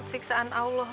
tak bisa dapetin hati rum